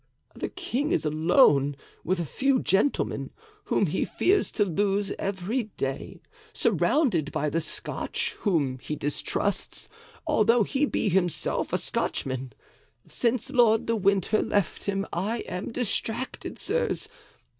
The king is alone with a few gentlemen, whom he fears to lose every day; surrounded by the Scotch, whom he distrusts, although he be himself a Scotchman. Since Lord de Winter left him I am distracted, sirs.